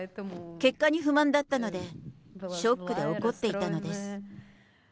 結果に不満だったので、ショックで怒っていたのです。